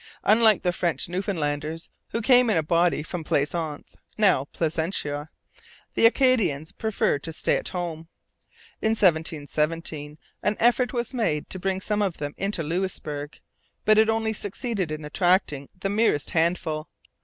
Unlike the French Newfoundlanders, who came in a body from Plaisance (now Placentia), the Acadians preferred to stay at home. In 1717 an effort was made to bring some of them into Louisbourg. But it only succeeded in attracting the merest handful.